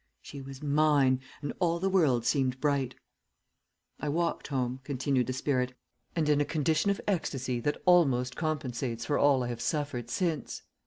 She was mine, and all the world seemed bright. "I walked home," continued the spirit, "and in a condition of ecstasy that almost compensates for all I have suffered since.